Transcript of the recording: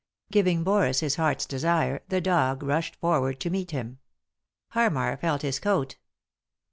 Giving Boris his heart's desire, the dog rushed forward to meet him. Harmar felt his coat.